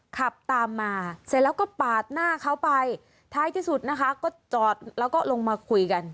ขับตามมาเสร็จแล้วก็ปาดหน้าเขาไปท้ายที่สุดนะคะก็จอดแล้วก็ลงมาคุยกัน